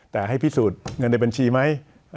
แต่ให้พิสูจน์เงินในบัญชีไหม